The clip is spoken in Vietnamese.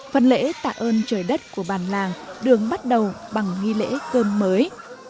phần lễ tạ ơn trời đất của bàn làng đường bắt đầu bằng nghỉ lễ cơm mới